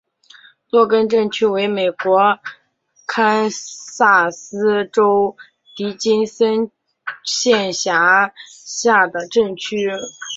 洛根镇区为美国堪萨斯州迪金森县辖下的镇区。